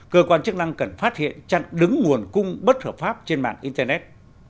cơ quan chức năng cần phát hiện chặn đứng nguồn cung bất hợp pháp trên mạng internet